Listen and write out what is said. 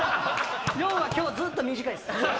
４は今日ずっと短いです。